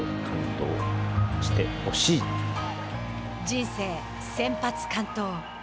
「人生先発完投」。